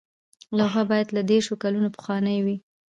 لوحه باید له دیرشو کلونو پخوانۍ وي.